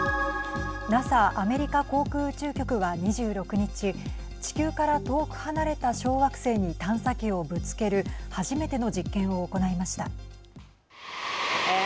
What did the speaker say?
ＮＡＳＡ＝アメリカ航空宇宙局は２６日地球から遠く離れた小惑星に探査機をぶつける初めての実験を行いました。